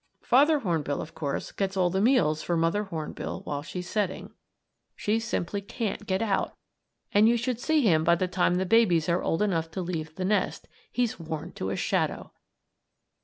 Father Hornbill, of course, gets all the meals for Mother Hornbill, while she's setting. She simply can't get out, and you should see him by the time the babies are old enough to leave the nest. He's worn to a shadow!